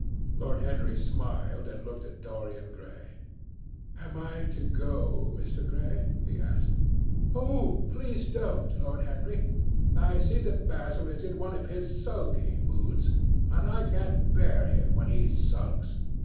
Lord Henry smiled and looked at Dorian Gray. "Am I to go, Mr. Gray?" he asked. "Oh, please don't, Lord Henry. I see that Basil is in one of his sulky moods, and I can't bear him when he sulks.